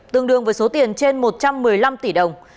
tương đương với số tiền trên một trăm một mươi năm tỷ đồng